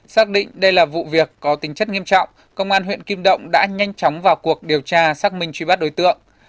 xác định đây là vụ việc có tính chất nghiêm trọng công an huyện kim động đã nhanh chóng vào cuộc điều tra xác minh truy bắt đối tượng